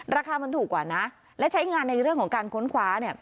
ราคามันถูกกว่านะและใช้งานในเรื่องของการค้นคว้าเนี่ย